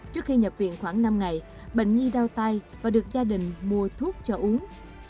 trước khi nhập viện khoảng năm ngày bệnh nhi đau tay và được gia đình mua thuốc cho uống